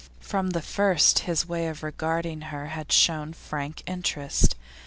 From the first his way of regarding her had shown frank interest.